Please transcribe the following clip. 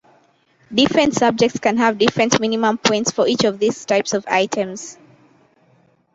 Different subjects can have different minimum points for each of these types of items.